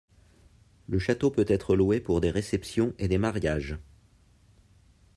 Le château peut être loué pour des réceptions et des mariages.